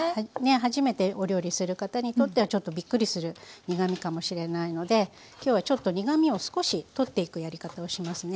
初めてお料理する方にとってはちょっとびっくりする苦みかもしれないので今日はちょっと苦みを少し取っていくやり方をしますね。